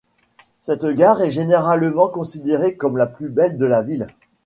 Cette gare est généralement considérée comme la plus belle de la ville.